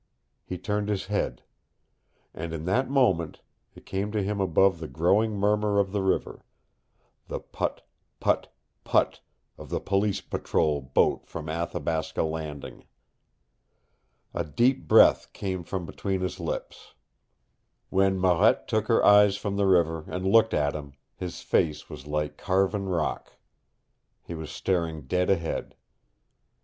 He turned his head. And in that moment it came to him above the growing murmur of the river the PUTT, PUTT, PUTT of the Police patrol boat from Athabasca Landing! A deep breath came from between his lips. When Marette took her eyes from the river and looked at him, his face was like carven rock. He was staring dead ahead.